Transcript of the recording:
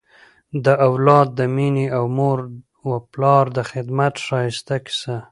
د اولاد د مینې او مور و پلار د خدمت ښایسته کیسه